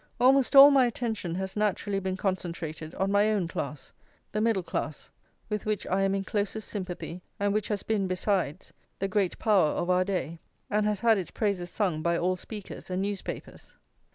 Almost all my attention has naturally been concentrated on my own class, the middle class, with which I am in closest sympathy, and which has been, besides, the great power of our day, and has had its praises sung by all speakers and newspapers.